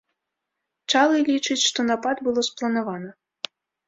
Чалы лічыць, што напад было спланавана.